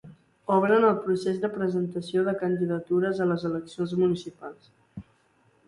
Obren el procés de presentació de candidatures a les eleccions municipals.